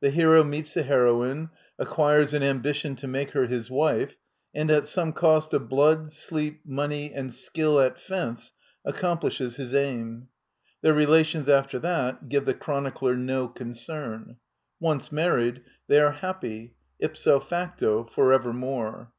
The hero meets the hero ine, acquires an ambiticm to make her his wife, and at some cost of blood, sleep, money and skill at fence, accomplishes his aim. Their relations after that give the chronicler no concern. Once mar ried, they are happy, ipso facto, forevermore.